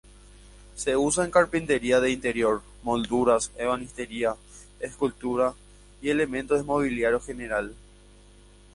Se usa en carpintería de interior, molduras, ebanistería, escultura y elementos de mobiliario general.